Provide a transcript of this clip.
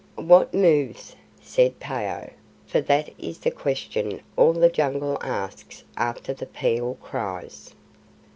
"What moves?" said Phao, for that is the question all the Jungle asks after the pheeal cries.